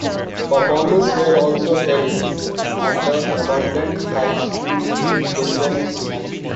Performances were also held at an abandoned high school in Quezon City.